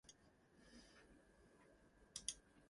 He is released when Jane gives him an alibi.